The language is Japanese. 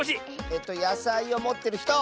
えっとやさいをもってるひと！